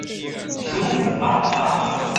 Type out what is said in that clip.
首府阿马拉。